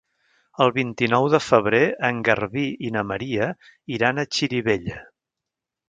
El vint-i-nou de febrer en Garbí i na Maria iran a Xirivella.